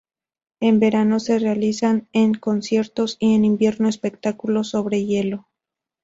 En verano se realizan en el conciertos y en invierno espectáculos sobre hielo.